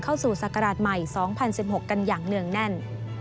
ศักราชใหม่๒๐๑๖กันอย่างเนื่องแน่น